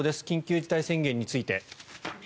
緊急事態宣言について。